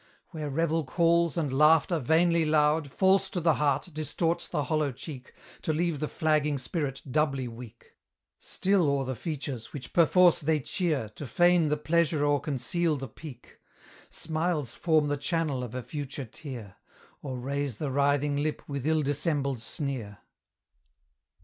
Where Revel calls, and Laughter, vainly loud, False to the heart, distorts the hollow cheek, To leave the flagging spirit doubly weak! Still o'er the features, which perforce they cheer, To feign the pleasure or conceal the pique; Smiles form the channel of a future tear, Or raise the writhing lip with ill dissembled sneer.